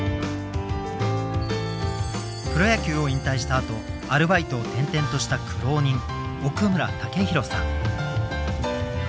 プロ野球を引退したあとアルバイトを転々とした苦労人奥村武博さん。